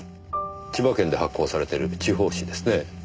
千葉県で発行されている地方紙ですねえ。